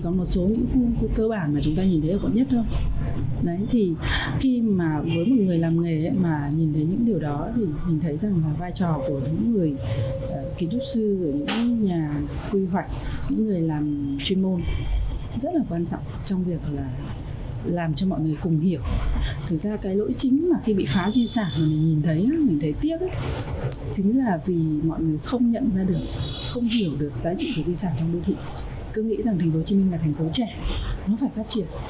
cứ nghĩ rằng tp hcm là thành phố trẻ nó phải phát triển